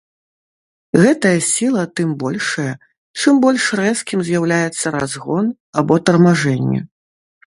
Гэтая сіла тым большая, чым больш рэзкім з'яўляецца разгон або тармажэнне.